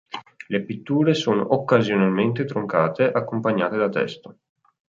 Le pitture sono occasionalmente troncate accompagnate da testo.